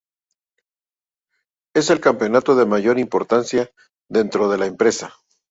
Es el campeonato de mayor importancia dentro de la empresa.